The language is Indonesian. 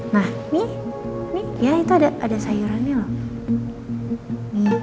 nah nih ya itu ada sayurannya loh